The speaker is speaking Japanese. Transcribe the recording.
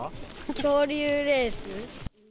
恐竜レース。